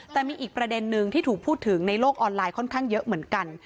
แต่มีอีกประเด็นนึงที่ถูกพูดถึงในโลกออนไลน์ค่อนข้างเยอะเหมือนกัน